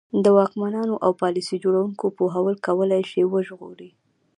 د واکمنانو او پالیسي جوړوونکو پوهول کولای شي وژغوري.